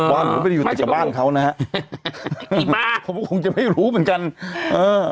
บ้านผมไม่ได้อยู่แต่บ้านเขานะฮะมาผมก็คงจะไม่รู้เหมือนกันเออ